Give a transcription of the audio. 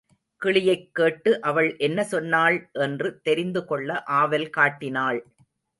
கிளியைக் கேட்டு அவள் என்ன சொன்னாள் என்று தெரிந்து கொள்ள ஆவல் காட்டினாள்.